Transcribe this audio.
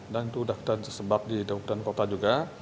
dan itu udah kita disebab di daun dan kota juga